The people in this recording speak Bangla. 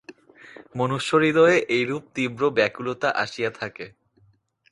মনুষ্যহৃদয়ে এইরূপ তীব্র ব্যাকুলতা আসিয়া থাকে।